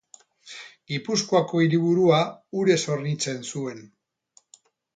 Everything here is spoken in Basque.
Gipuzkoako hiriburua urez hornitzen zuen.